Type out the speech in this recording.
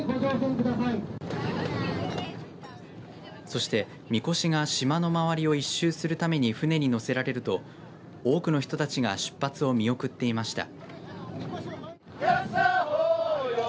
そして、みこしが島の周りを１周するために船にのせられると多くの人たちが出発を見送っていました。